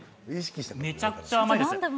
めちゃくちゃ甘いです。